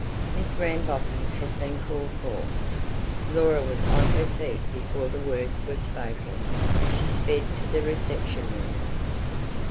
"Miss Rambotham has been called for." Laura was on her feet before the words were spoken. She sped to the reception room.